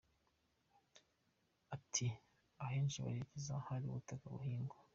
Ati “Ahenshi berekeza ahari ubutaka buhingwa.